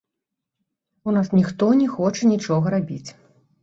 У нас ніхто не хоча нічога рабіць.